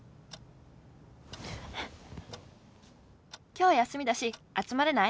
「きょう休みだし集まれない？